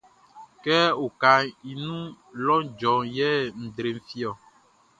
Kɛ okaʼn i nun lɔʼn djɔ yɛ nʼdre fi ɔ.